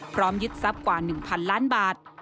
ยึดทรัพย์กว่า๑๐๐๐ล้านบาท